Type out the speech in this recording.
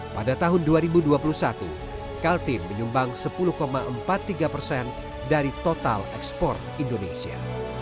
pada tahun dua ribu dua puluh satu kaltim menyumbang sepuluh empat puluh tiga persen dari total ekspor indonesia